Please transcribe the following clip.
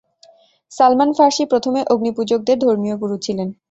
Salman Farsi প্রথমে অগ্নিপূজকদের ধর্মীয় গুরু ছিলেন।